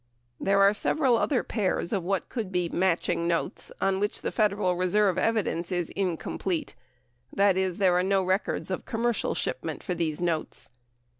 There are several other pairs of what could be "matching" notes on which the Federal Reserve evidence is incomplete, that is, there are no records of commercial shipment for the notes.